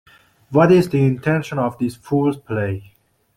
What is the intention of this fool's play?